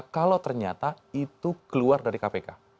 kalau ternyata itu keluar dari kpk